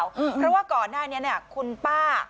มือเพราะว่าก่อนหน้านี้เนี้ยคุณป้า